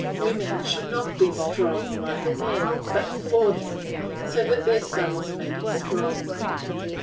Women should not be strong like men but for them, so that their sons may be strong.